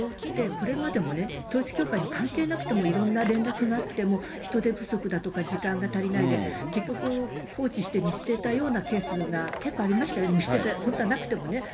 児相って、これまでも統一教会に関係なくてもいろんな連絡があって、人手不足だとか、時間が足りないで、結局放置して見捨てたようなケースが結構ありましたよね、見捨てた、本当はなくてもね。